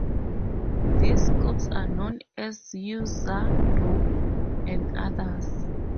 These scopes are known as "user", "group", and "others".